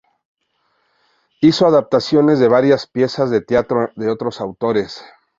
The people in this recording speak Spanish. Hizo adaptaciones de varias piezas de teatro de otros autores.